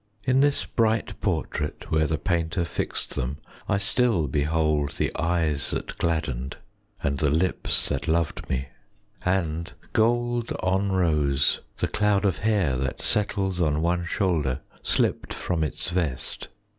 In this bright portrait, where the painter fixed them, 5 I still behold The eyes that gladdened, and the lips that loved me, And, gold on rose, The cloud of hair that settles on one shoulder Slipped from its vest.